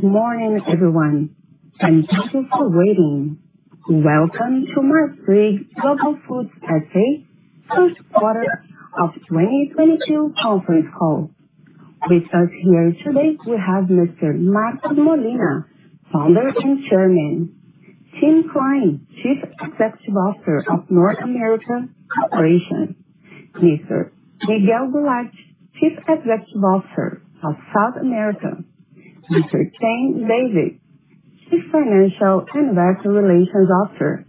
Good morning, everyone, and thank you for waiting. Welcome to Marfrig Global Foods S.A. First Quarter of 2022 Conference Call. With us here today we have Mr. Marcos Molina, Founder and Chairman, Tim Klein, Chief Executive Officer of North American Operations, Mr. Miguel Gularte, Chief Executive Officer of South America, Mr. Tang David, Chief Financial and Investor Relations Officer,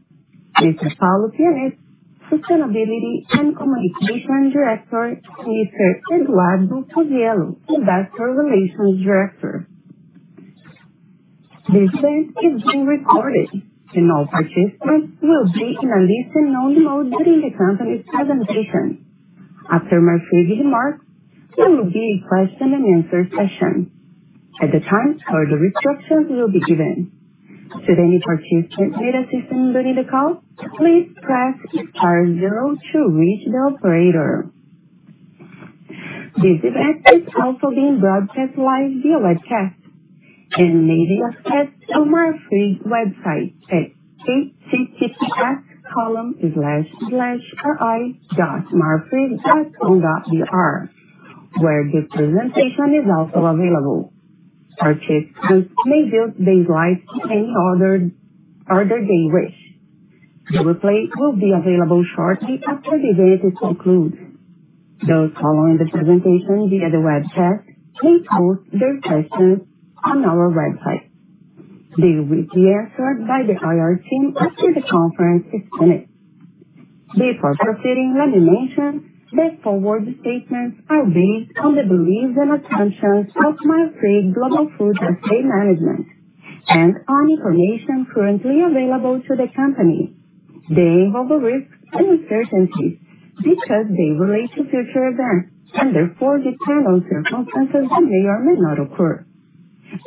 Mr. Paulo Pianez, Sustainability and Communication Director, Mr. Eduardo Coviello, Investor Relations Director. This event is being recorded and all participants will be in a listen-only mode during the company's presentation. After Marfrig's remarks, there will be a question-and-answer session. At that time, the instructions will be given. Should any participant need assistance during the call, please press star zero to reach the operator. This event is also being broadcast live via webcast and may be accessed on Marfrig website at https://ri.marfrig.com.br where the presentation is also available. Participants may view the slides at any other time they wish. The replay will be available shortly after the event concludes. Those following the presentation via the webcast may post their questions on our website. They will be answered by the IR team after the conference is finished. Before proceeding, let me mention that forward-looking statements are based on the beliefs and assumptions of Marfrig Global Foods S.A. management and on information currently available to the company. They involve risks and uncertainties because they relate to future events and therefore depend on circumstances that may or may not occur.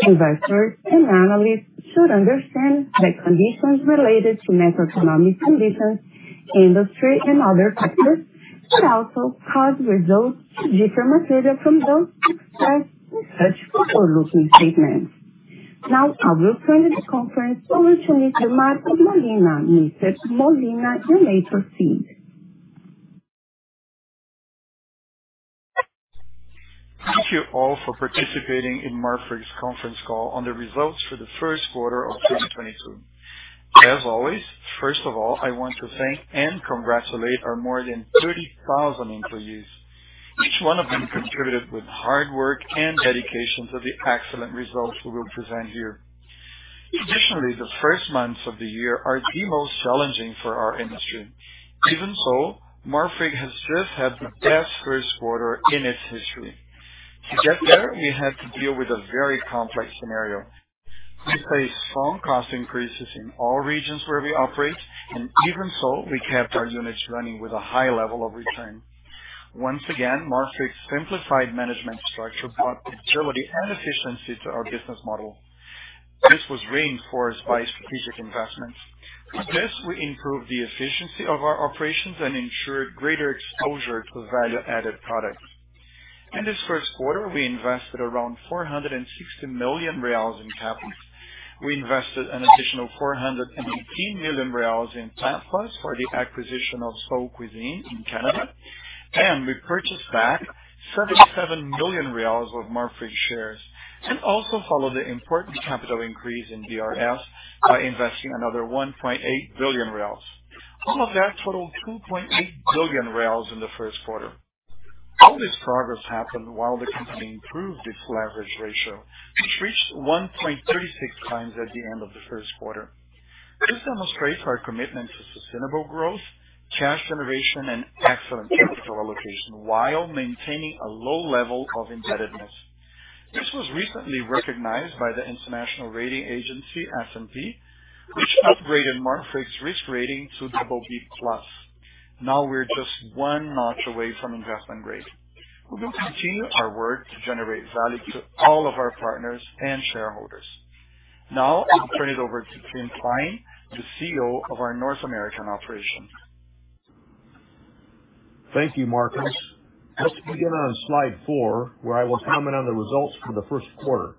Investors and analysts should understand the conditions related to macroeconomic conditions, industry, and other factors that also cause results to differ materially from those expressed in such forward-looking statements. Now I will turn the conference over to Mr. Marcos Molina. Mr. Molina, you may proceed. Thank you all for participating in Marfrig's conference call on the results for the first quarter of 2022. As always, first of all, I want to thank and congratulate our more than 30,000 employees. Each one of them contributed with hard work and dedication to the excellent results we will present here. Additionally, the first months of the year are the most challenging for our industry. Even so, Marfrig has just had the best first quarter in its history. To get there, we had to deal with a very complex scenario. We faced strong cost increases in all regions where we operate, and even so, we kept our units running with a high level of return. Once again, Marfrig's simplified management structure brought agility and efficiency to our business model. This was reinforced by strategic investments. With this, we improved the efficiency of our operations and ensured greater exposure to value-added products. In this first quarter, we invested around 460 million reais in capital. We invested an additional 418 million reais in platforms for the acquisition of Sol Cuisine in Canada. We purchased back 77 million reais of Marfrig shares and also followed the important capital increase in BRF by investing another 1.8 billion. All of that totaled 2.8 billion in the first quarter. All this progress happened while the company improved its leverage ratio, which reached 1.36x at the end of the first quarter. This demonstrates our commitment to sustainable growth, cash generation, and excellent capital allocation while maintaining a low level of indebtedness. This was recently recognized by the international rating agency, S&P, which upgraded Marfrig's risk rating to BB+. Now we're just one notch away from investment grade. We will continue our work to generate value to all of our partners and shareholders. Now, I'll turn it over to Tim Klein, the CEO of our North American operation. Thank you, Marcos. Let's begin on slide four, where I will comment on the results for the first quarter.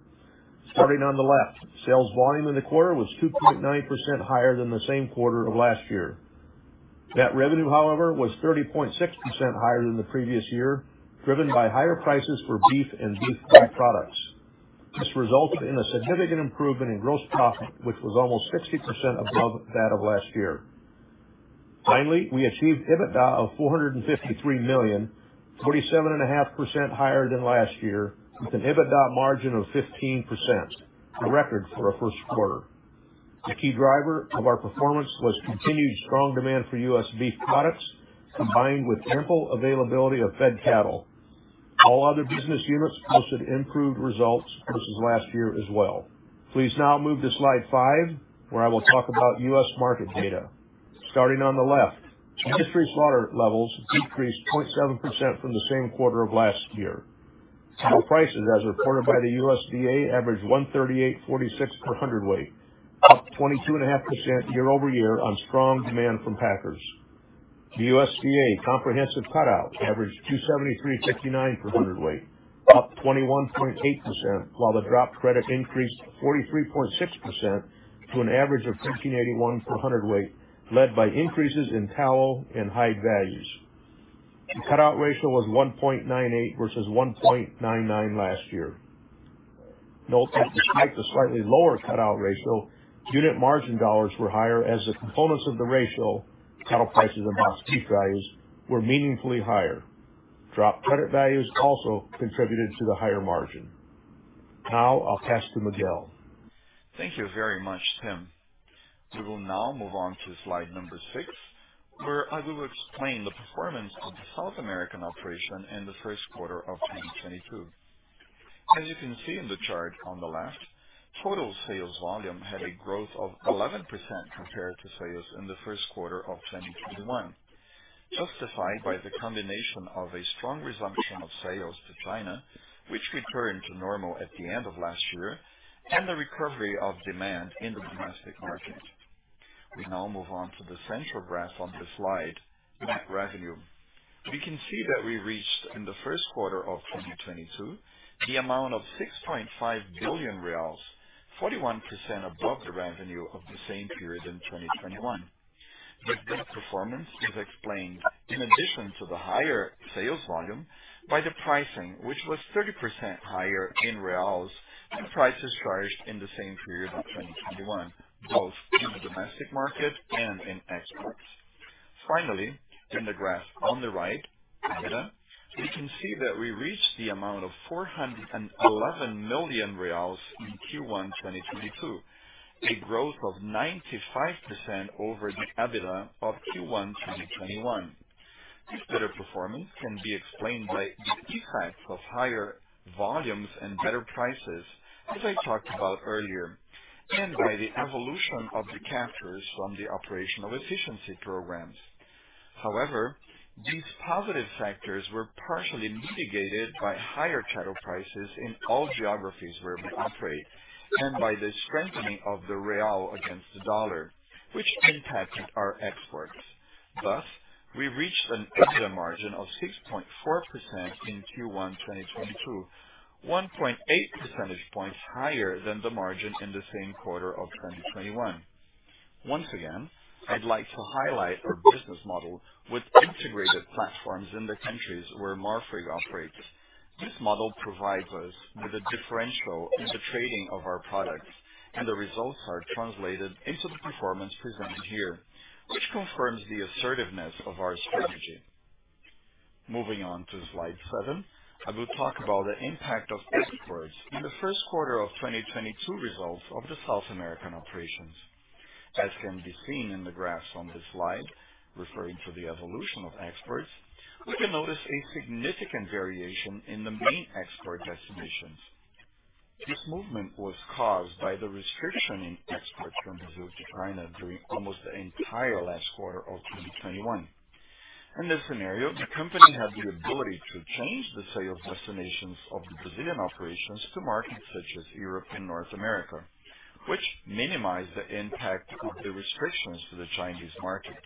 Starting on the left, sales volume in the quarter was 2.9% higher than the same quarter of last year. Net revenue, however, was 30.6% higher than the previous year, driven by higher prices for beef and beef by-products. This resulted in a significant improvement in gross profit, which was almost 60% above that of last year. Finally, we achieved EBITDA of 453 million, 47.5% higher than last year, with an EBITDA margin of 15%, a record for our first quarter. The key driver of our performance was continued strong demand for US beef products, combined with ample availability of fed cattle. All other business units posted improved results versus last year as well. Please now move to slide five, where I will talk about US market data. Starting on the left, industry slaughter levels decreased 0.7% from the same quarter of last year. Prices, as reported by the USDA, averaged $138.46 per hundredweight, up 22.5% year-over-year on strong demand from packers. The USDA comprehensive cutout averaged $273.59 per hundredweight, up 21.8%, while the drop credit increased 43.6% to an average of $15.81 per hundredweight, led by increases in tallow and hide values. The cutout value was 1.98 versus 1.99 last year. Note that despite the slightly lower cutout value, unit margin dollars were higher as the components of the ratio, cattle prices and box beef values were meaningfully higher. Drop credit values also contributed to the higher margin. Now I'll pass to Miguel. Thank you very much, Tim. We will now move on to slide number 6, where I will explain the performance of the South American operation in the first quarter of 2022. As you can see in the chart on the left, total sales volume had a growth of 11% compared to sales in the first quarter of 2021, justified by the combination of a strong resumption of sales to China, which returned to normal at the end of last year, and the recovery of demand in the domestic market. We now move on to the central graph on this slide, net revenue. We can see that we reached, in the first quarter of 2022, the amount of BRL 6.5 billion, 41% above the revenue of the same period in 2021. This performance is explained, in addition to the higher sales volume, by the pricing, which was 30% higher in reals than prices charged in the same period of 2021, both in the domestic market and in exports. Finally, in the graph on the right, EBITDA, we can see that we reached the amount of 411 million reais in Q1 2022, a growth of 95% over the EBITDA of Q1 2021. This better performance can be explained by the effects of higher volumes and better prices, as I talked about earlier, and by the evolution of the captures from the operational efficiency programs. However, these positive factors were partially mitigated by higher cattle prices in all geographies where we operate and by the strengthening of the real against the dollar, which impacted our exports. Thus, we reached an EBITDA margin of 6.4% in Q1 2022, 1.8 percentage points higher than the margin in the same quarter of 2021. Once again, I'd like to highlight our business model with integrated platforms in the countries where Marfrig operates. This model provides us with a differential in the trading of our products, and the results are translated into the performance presented here, which confirms the assertiveness of our strategy. Moving on to slide seven, I will talk about the impact of exports in the first quarter of 2022 results of the South American operations. As can be seen in the graphs on this slide, referring to the evolution of exports, we can notice a significant variation in the main export destinations. This movement was caused by the restriction in exports from Brazil to China during almost the entire last quarter of 2021. In this scenario, the company had the ability to change the sales destinations of the Brazilian operations to markets such as Europe and North America, which minimized the impact of the restrictions to the Chinese market.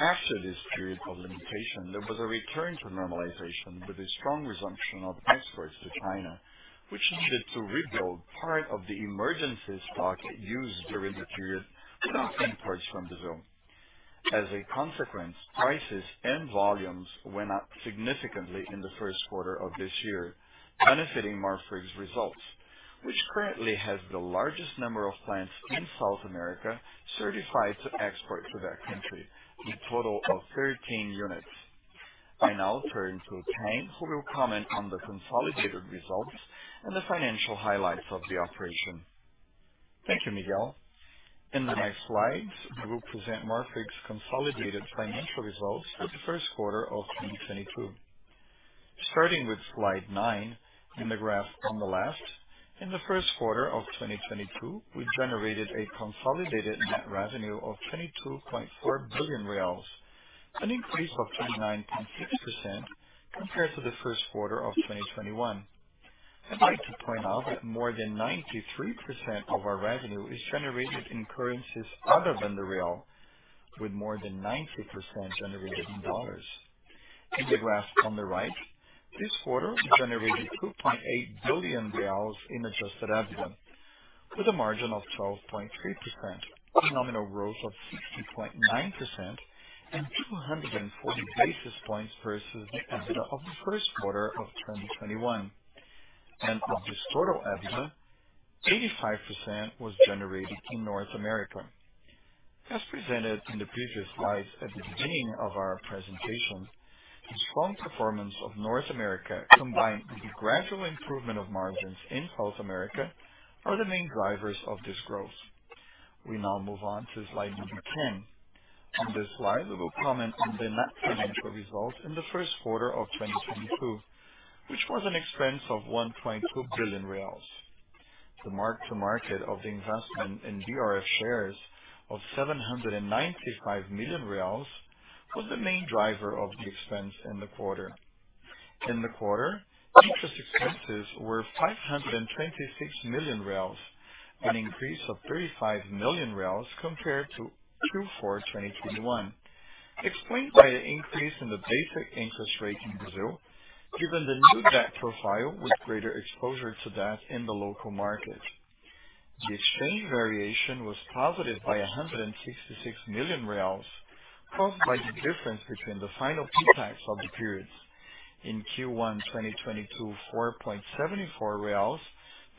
After this period of limitation, there was a return to normalization with a strong resumption of exports to China, which needed to rebuild part of the emergency stock used during the period to imports from Brazil. As a consequence, prices and volumes went up significantly in the first quarter of this year, benefiting Marfrig's results, which currently has the largest number of plants in South America certified to export to that country, a total of 13 units. I now turn to Tang, who will comment on the consolidated results and the financial highlights of the operation. Thank you, Miguel. In the next slides, we will present Marfrig's consolidated financial results for the first quarter of 2022. Starting with slide nine, in the graph on the left, in the first quarter of 2022, we generated a consolidated net revenue of BRL 22.4 billion, an increase of 29.6% compared to the first quarter of 2021. I'd like to point out that more than 93% of our revenue is generated in currencies other than the real, with more than 90% generated in dollars. In the graph on the right, this quarter we generated 2.8 billion reais in adjusted EBITDA with a margin of 12.3%, a nominal growth of 60.9% and 240 basis points versus the EBITDA of the first quarter of 2021. Of this total EBITDA, 85% was generated in North America. As presented in the previous slides at the beginning of our presentation, the strong performance of North America, combined with the gradual improvement of margins in South America, are the main drivers of this growth. We now move on to slide number 10. On this slide, we will comment on the net financial result in the first quarter of 2022, which was an expense of 1.2 billion reais. The mark-to-market of the investment in BRF shares of 795 million reais was the main driver of the expense in the quarter. In the quarter, interest expenses were 526 million, an increase of 35 million compared to Q4 2021, explained by an increase in the basic interest rate in Brazil, given the new debt profile with greater exposure to debt in the local market. The exchange variation was positive by 166 million reais, caused by the difference between the final PTAX of the periods. In Q1 2022, 4.74 reais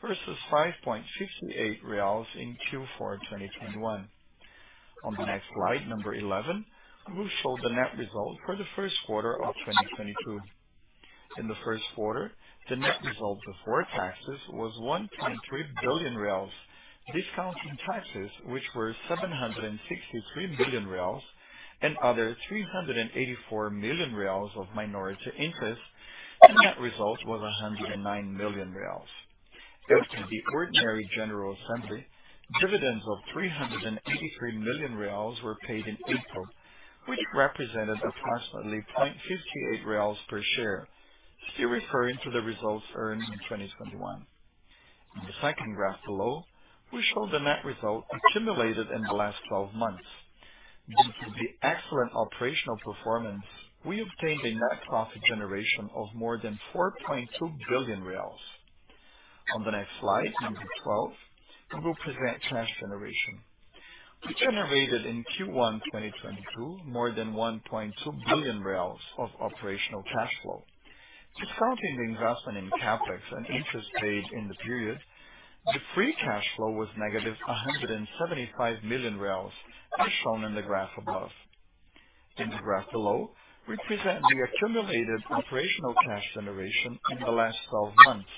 versus 5.58 reais in Q4 2021. On the next slide, number 11, we will show the net result for the first quarter of 2022. In the first quarter, the net result before taxes was 1.3 billion reais. Discounting taxes, which were 763 billion reais and other 384 million reais of minority interest, the net result was 109 million reais. Due to the ordinary general assembly, dividends of 383 million reais were paid in April, which represented approximately 0.58 reais per share still referring to the results earned in 2021. In the second graph below, we show the net result accumulated in the last 12 months. Due to the excellent operational performance, we obtained a net profit generation of more than 4.2 billion reais. On the next slide, number 12, we will present cash generation. We generated in Q1 2022 more than 1.2 billion reais of operational cash flow. Discounting the investment in CapEx and interest paid in the period, the free cash flow was -175 million reais, as shown in the graph above. In the graph below, we present the accumulated operational cash generation in the last twelve months,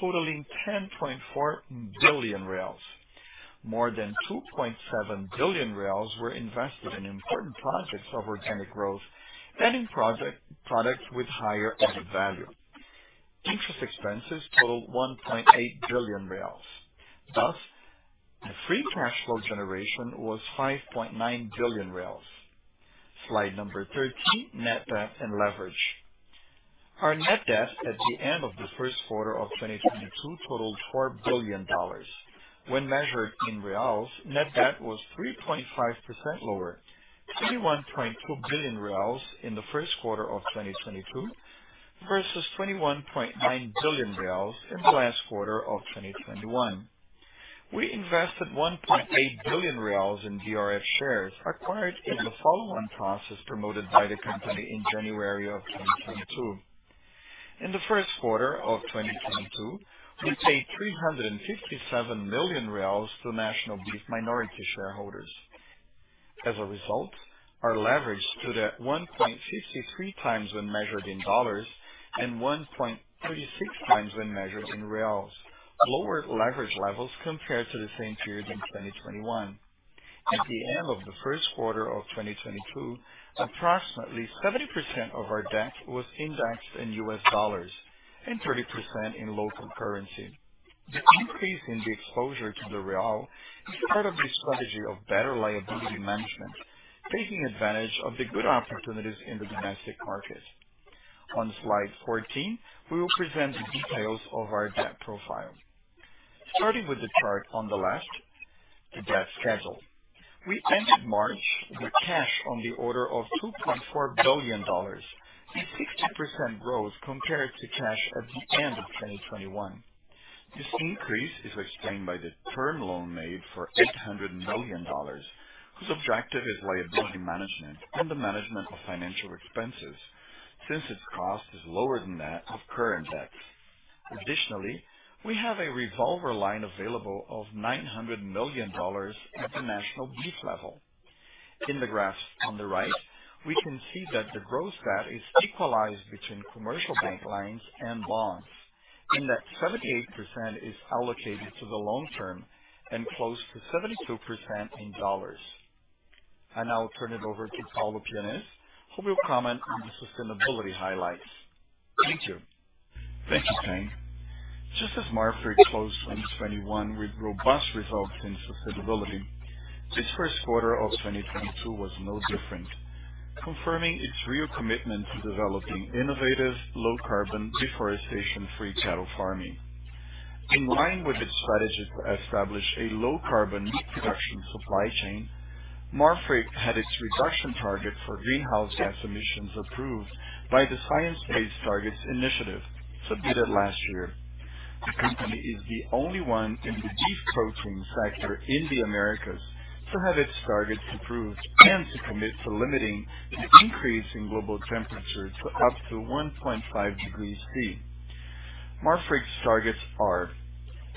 totaling 10.4 billion. More than 2.7 billion were invested in important projects of organic growth and in products with higher added value. Interest expenses totaled 1.8 billion reais. Thus, the free cash flow generation was 5.9 billion reais. Slide number 13, net debt and leverage. Our net debt at the end of the first quarter of 2022 totaled $4 billion. When measured in reais, net debt was 3.5% lower, BRL 21.2 billion in the first quarter of 2022 versus BRL 21.9 billion in the last quarter of 2021. We invested 1.8 billion reais in BRF shares acquired in the follow-on process promoted by the company in January of 2022. In the first quarter of 2022, we paid 357 million reais to National Beef minority shareholders. As a result, our leverage stood at 1.53x when measured in dollars and 1.36x when measured in reais. Lower leverage levels compared to the same period in 2021. At the end of the first quarter of 2022, approximately 70% of our debt was indexed in US dollars and 30% in local currency. The increase in the exposure to the real is part of the strategy of better liability management, taking advantage of the good opportunities in the domestic market. On slide 14, we will present the details of our debt profile. Starting with the chart on the left, the debt schedule. We entered March with cash on the order of $2.4 billion, a 60% growth compared to cash at the end of 2021. This increase is explained by the term loan made for $800 million, whose objective is liability management and the management of financial expenses, since its cost is lower than that of current debts. Additionally, we have a revolver line available of $900 million at the National Beef level. In the graph on the right, we can see that the gross debt is equalized between commercial bank lines and bonds, and that 78% is allocated to the long term and close to 72% in dollars. I now turn it over to Paulo Pianez, who will comment on the sustainability highlights. Thank you. Thank you, Tang. Just as Marfrig closed 2021 with robust results in sustainability, this first quarter of 2022 was no different, confirming its real commitment to developing innovative, low carbon, deforestation-free cattle farming. In line with its strategy to establish a low carbon production supply chain, Marfrig had its reduction target for greenhouse gas emissions approved by the Science Based Targets initiative submitted last year. The company is the only one in the beef protein sector in the Americas to have its targets approved and to commit to limiting the increase in global temperature to up to 1.5 degrees Celsius. Marfrig's targets are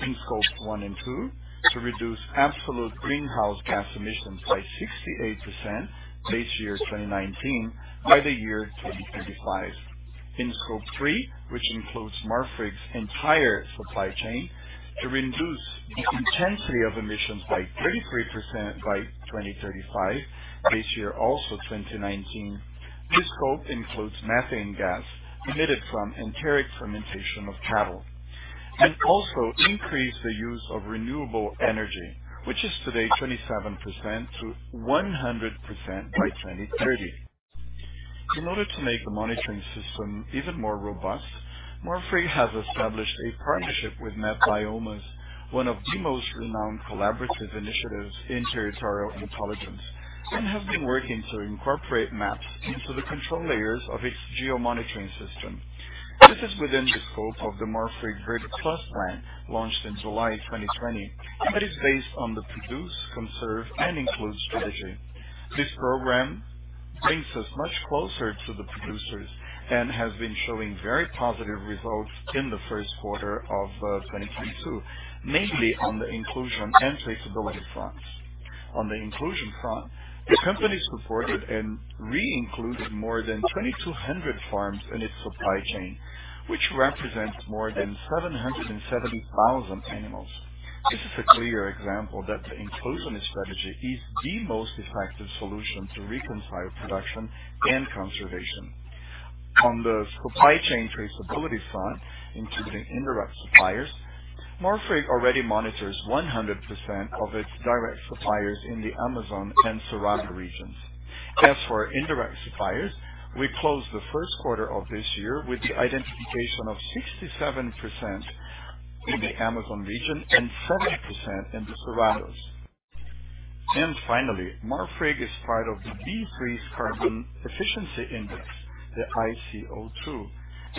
in Scope one and two to reduce absolute greenhouse gas emissions by 68%, base year 2019 by 2035. In Scope three, which includes Marfrig's entire supply chain, to reduce the intensity of emissions by 33% by 2035 base year also 2019. This scope includes methane gas emitted from enteric fermentation of cattle. Increase the use of renewable energy, which is today 27% to 100% by 2030. In order to make the monitoring system even more robust, Marfrig has established a partnership with MapBiomas, one of the most renowned collaborative initiatives in territorial intelligence, and have been working to incorporate maps into the control layers of its geo-monitoring system. This is within the scope of the Marfrig Verde+ plan, launched in July 2020, and that is based on the Produce, Conserve and Include strategy. This program brings us much closer to the producers and has been showing very positive results in the first quarter of 2022, mainly on the inclusion and traceability fronts. On the inclusion front, the company supported and re-included more than 2,200 farms in its supply chain, which represents more than 770,000 animals. This is a clear example that the inclusion strategy is the most effective solution to reconcile production and conservation. On the supply chain traceability front, including indirect suppliers, Marfrig already monitors 100% of its direct suppliers in the Amazon and Cerrado regions. As for our indirect suppliers, we closed the first quarter of this year with the identification of 67% in the Amazon region and 7% in the Cerrados. Finally, Marfrig is part of the B3's Carbon Efficient Index, the ICO2,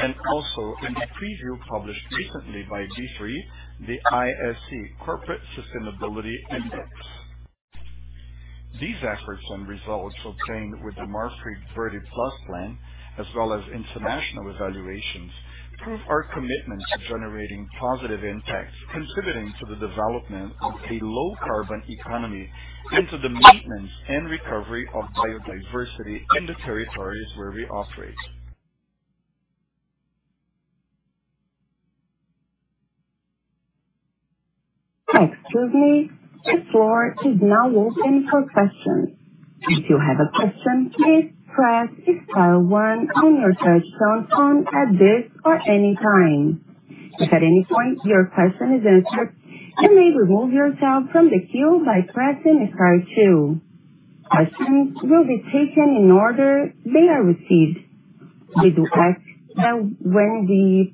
and also in the preview published recently by B3, the ISE Corporate Sustainability Index. These efforts and results obtained with the Marfrig Verde+ plan, as well as international evaluations, prove our commitment to generating positive impacts, contributing to the development of a low carbon economy into the maintenance and recovery of biodiversity in the territories where we operate. Excuse me. The floor is now open for questions. If you have a question, please press star one on your touchtone phone at this or any time. If at any point your question is answered, you may remove yourself from the queue by pressing star two. Questions will be taken in order they are received. We do ask that when we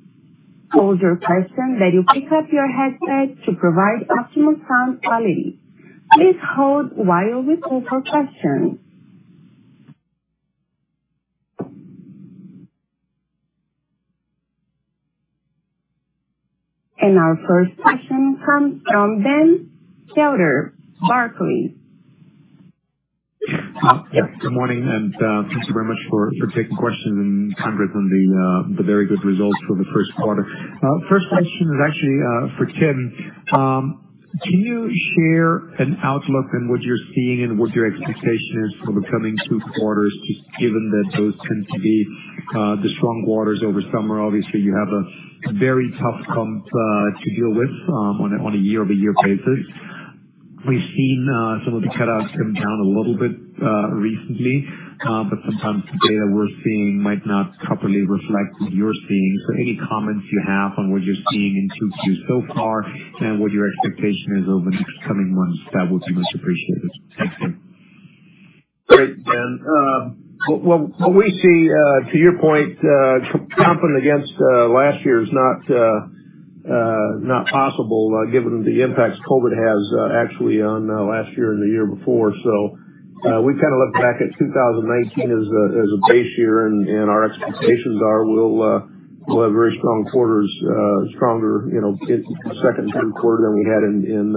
pose your question that you pick up your headset to provide optimal sound quality. Please hold while we take your questions. Our first question comes from Ben Theurer, Barclays. Yes, good morning, and thank you very much for taking questions and covering the very good results for the first quarter. First question is actually for Tim. Can you share an outlook on what you're seeing and what your expectation is for the coming two quarters, just given that those tend to be the strong quarters over summer? Obviously, you have a very tough comp to deal with on a year-over-year basis. We've seen some of the cutouts come down a little bit recently, but sometimes the data we're seeing might not properly reflect what you're seeing. So any comments you have on what you're seeing in 2Q so far and what your expectation is over the next coming months, that would be much appreciated. Thanks, Tim. Great, Ben. Well, what we see to your point comping against last year is not possible given the impacts COVID has actually on last year and the year before. We kind of look back at 2019 as a base year, and our expectations are we'll have very strong quarters, stronger, you know, in second and third quarter than we had in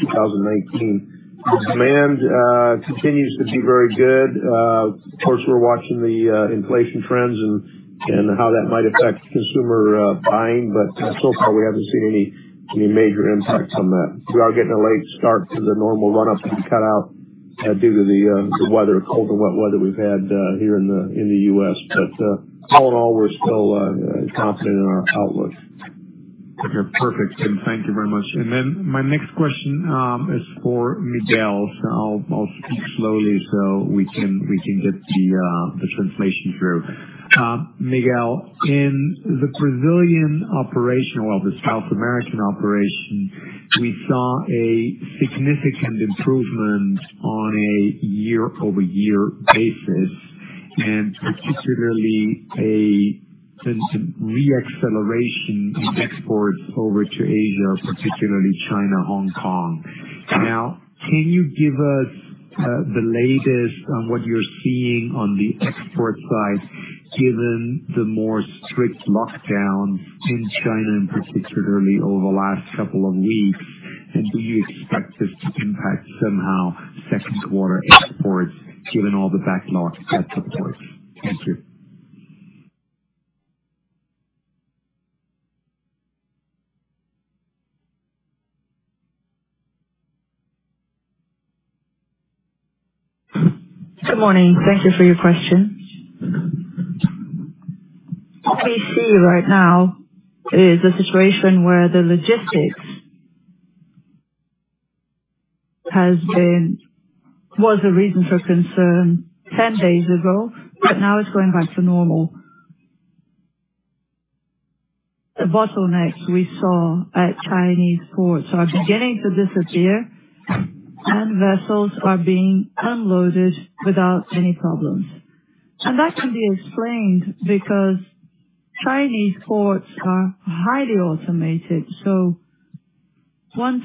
2019. Demand continues to be very good. Of course, we're watching the inflation trends and how that might affect consumer buying, but so far, we haven't seen any major impacts on that. We are getting a late start to the normal run-up to cutout due to the cold and wet weather we've had here in the US. All in all, we're still confident in our outlook. Okay. Perfect, Tim. Thank you very much. My next question is for Miguel. I'll speak slowly so we can get the translation through. Miguel, in the Brazilian operation or the South American operation, we saw a significant improvement on a year-over-year basis, and particularly a sense of re-acceleration in exports over to Asia, particularly China, Hong Kong. Now, can you give us the latest on what you're seeing on the export side, given the more strict lockdown in China and particularly over the last couple of weeks? Do you expect this to impact somehow second quarter exports, given all the backlogs at the ports? Thank you. Good morning. Thank you for your question. What we see right now is a situation where the logistics Was a reason for concern 10 days ago, but now it's going back to normal. The bottlenecks we saw at Chinese ports are beginning to disappear, and vessels are being unloaded without any problems. That can be explained because Chinese ports are highly automated. Once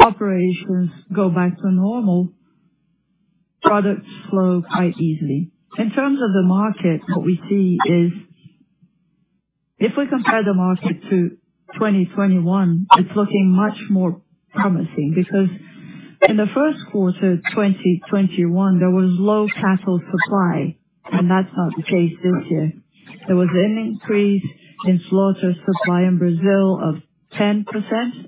operations go back to normal, products flow quite easily. In terms of the market, what we see is if we compare the market to 2021, it's looking much more promising because in the first quarter of 2021 there was low cattle supply, and that's not the case this year. There was an increase in slaughter supply in Brazil of 10%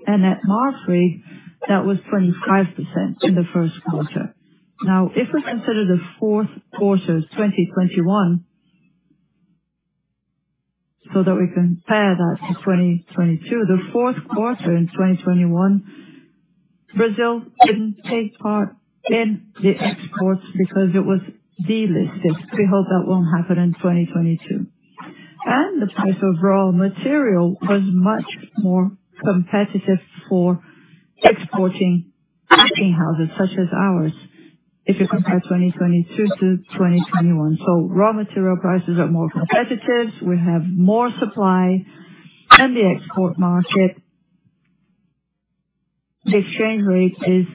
and at Marfrig that was 25% in the first quarter. Now, if we consider the fourth quarter of 2021 so that we can compare that to 2022. The fourth quarter in 2021, Brazil didn't take part in the exports because it was delisted. We hope that won't happen in 2022. The price of raw material was much more competitive for exporting packing houses such as ours if you compare 2022 to 2021. Raw material prices are more competitive. We have more supply in the export market. The exchange rate is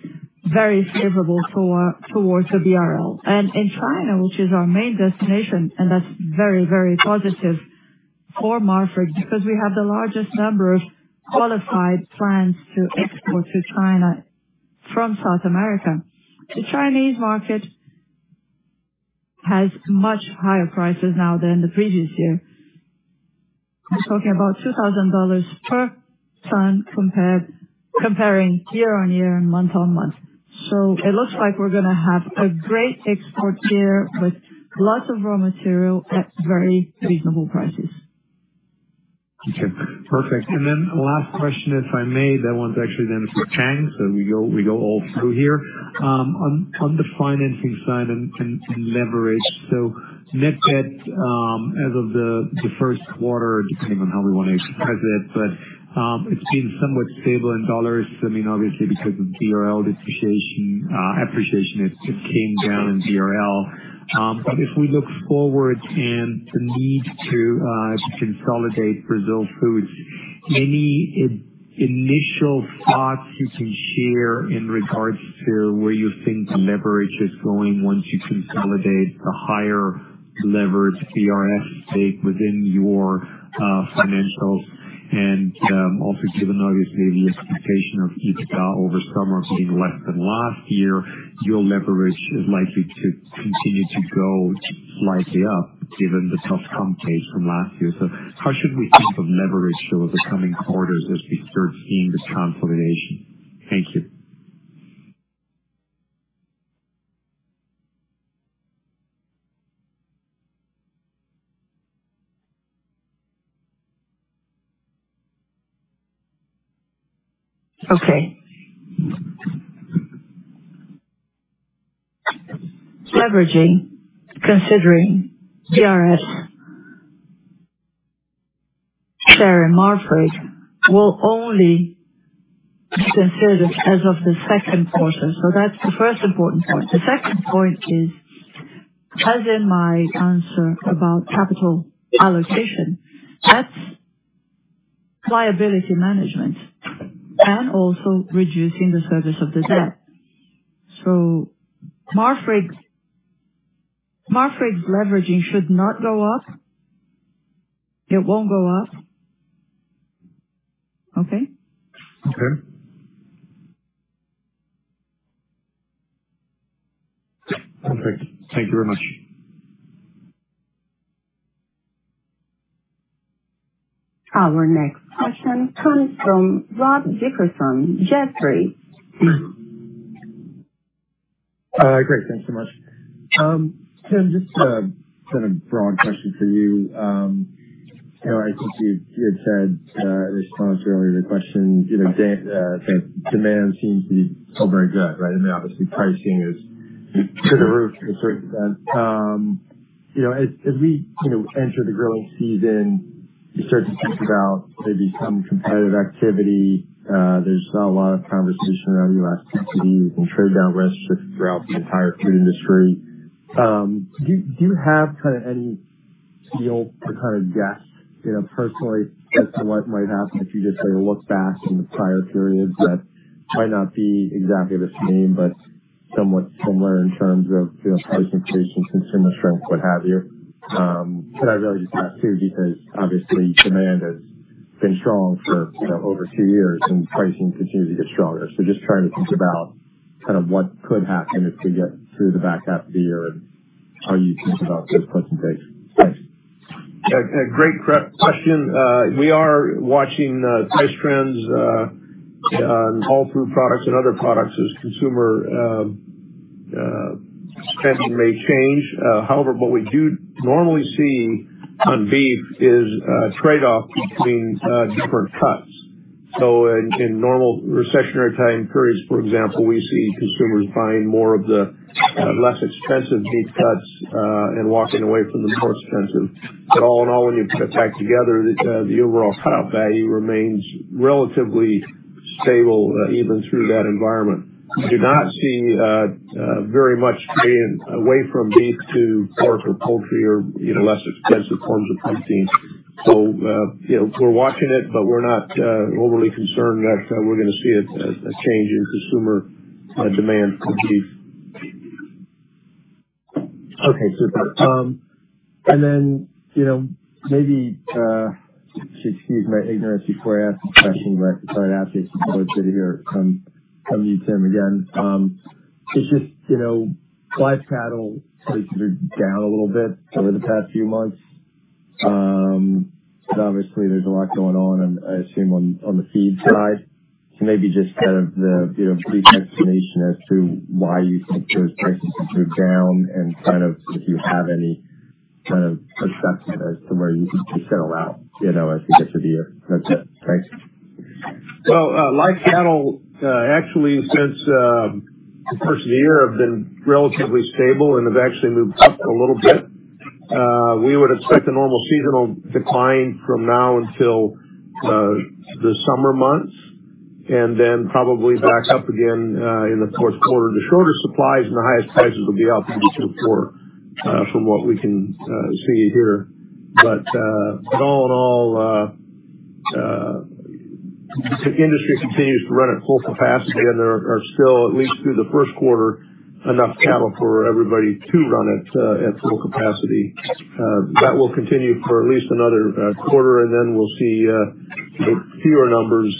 very favorable towards the BRL. In China, which is our main destination, and that's very, very positive for Marfrig because we have the largest number of qualified plants to export to China from South America. The Chinese market has much higher prices now than the previous year. We're talking about $2,000 per ton comparing year-on-year and month-on-month. It looks like we're gonna have a great export year with lots of raw material at very reasonable prices. Okay, perfect. Last question, if I may. That one's actually then for Tang. We go all through here. On the financing side and leverage. Net debt, as of the first quarter, depending on how we want to express it, but it's been somewhat stable in dollars. I mean, obviously because of BRL depreciation, appreciation, it came down in BRL. If we look forward and the need to consolidate BRF [stake], any initial thoughts you can share in regards to where you think the leverage is going once you consolidate the higher leverage BRF stake within your financials? Also given obviously the expectation of EBITDA over summer being less than last year, your leverage is likely to continue to go slightly up given the tough comp base from last year. How should we think of leverage over the coming quarters as we start seeing this consolidation? Thank you. Okay. Leveraging considering BRF share in Marfrig will only be considered as of the second quarter. That's the first important point. The second point is, as in my answer about capital allocation, that's liability management and also reducing the service of the debt. Marfrig's leveraging should not go up. It won't go up. Okay? Okay. Perfect. Thank you very much. Our next question comes from Robert Dickerson, Jefferies. Great. Thanks so much. Tim, just kind of broad question for you. You know, I think you had said in response to the earlier question, you know, that demand seems to be still very good, right? I mean, obviously pricing is through the roof to a certain extent. You know, as we enter the growing season, you start to think about maybe some competitive activity. There's not a lot of conversation around US PPC and trade down risks just throughout the entire food industry. Do you have kind of any feel to kind of guess, you know, personally as to what might happen if you just say look back in the prior periods that might not be exactly the same but somewhat similar in terms of, you know, price increases, consumer strength, what have you? I realize it's hard too, because obviously demand has been strong for, you know, over two years and pricing continues to get stronger. Just trying to think about kind of what could happen as we get through the back half of the year and how you think about those price increases. Thanks. A great question. We are watching price trends across all products and other products as consumer spending may change. However, what we do normally see on beef is a trade-off between different cuts. In normal recessionary time periods, for example, we see consumers buying more of the less expensive beef cuts and walking away from the more expensive. All in all, when you put a pack together, the overall cutout value remains relatively stable even through that environment. We do not see very much straying away from beef to pork or poultry or you know less expensive forms of protein. You know, we're watching it, but we're not overly concerned that we're gonna see a change in consumer demand for beef. Okay. Super. You know, maybe excuse my ignorance before I ask the question, but I thought I'd ask it since I was sitting here coming to you, Tim, again. It's just, you know, live cattle prices are down a little bit over the past few months. But obviously there's a lot going on and I assume on the feed side. Maybe just kind of the, you know, brief explanation as to why you think those prices are down and kind of if you have any kind of assessment as to where you think they settle out, you know, as we get to the year. That's it. Thanks. Well, live cattle actually since the first of the year have been relatively stable and have actually moved up a little bit. We would expect a normal seasonal decline from now until the summer months and then probably back up again in the fourth quarter. The shorter supplies and the highest prices will be out in the Q4 from what we can see here. All in all, if the industry continues to run at full capacity and there are still, at least through the first quarter, enough cattle for everybody to run at full capacity, that will continue for at least another quarter. Then we'll see fewer numbers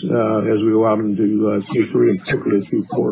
as we allow them to through three and particularly through four.